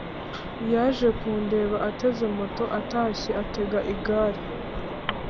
Yaje kundeba ateze moto atashye atega igare